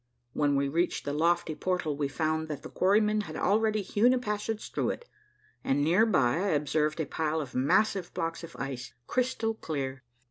When we reached the lofty portal we found that the quarrymen had already hewn a passage through it, and near by I observed a pile of massive blocks of ice, crystal clear.